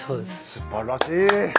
素晴らしい。